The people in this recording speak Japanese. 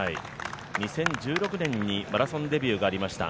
２０１６年にマラソンデビューがありました。